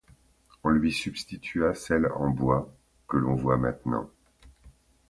On lui substitua celle en bois que l'on voit maintenant.